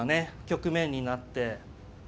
局面になって。